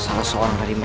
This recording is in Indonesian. aku tidak terima